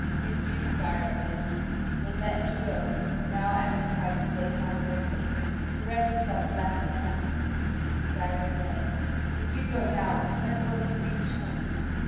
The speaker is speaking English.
"If you, Cyrus," said he, "will let me go now, I will try to save my fortresses: the rest is of less account." Cyrus said, "If you go now, when will you reach home?"